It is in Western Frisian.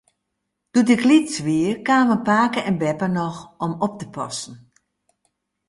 Doe't ik lyts wie, kamen pake en beppe noch om op te passen.